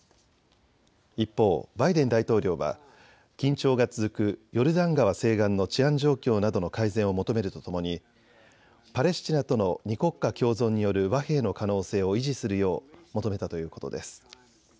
一方、バイデン大統領は緊張が続くヨルダン川西岸の治安状況などの改善を求めるとともにパレスチナとの２国家共存による和平の可能性を維持するよう求めたということです。